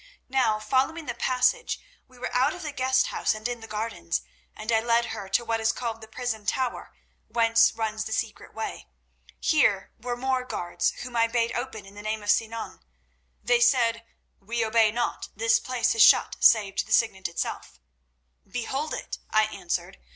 "Now, following the passage, we were out of the guest house and in the gardens, and I led her to what is called the prison tower, whence runs the secret way. Here were more guards whom I bade open in the name of Sinan. "They said: 'We obey not. This place is shut save to the Signet itself.' "'Behold it!' I answered.